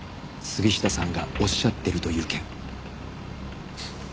杉下さんがおっしゃってるという件。